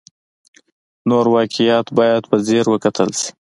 نور واقعیات باید په ځیر وکتل شي.